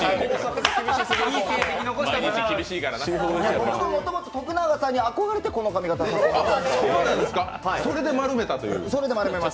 僕ももともと徳永さんに憧れてこの髪形にさせてもらったんです。